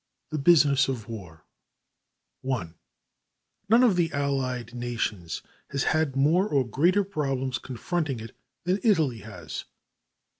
The Business of War ONE None of the Allied Nations has had more or greater problems confronting it than Italy has.